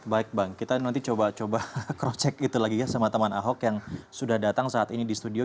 baik bang kita nanti coba coba cross check itu lagi ya sama teman ahok yang sudah datang saat ini di studio